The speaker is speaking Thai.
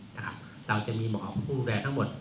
เราจะมีหมอภูมิแวร์ทั้งหมด